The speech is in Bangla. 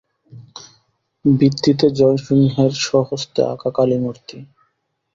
ভিত্তিতে জয়সিংহের স্বহস্তে আঁকা কালীমূর্তি।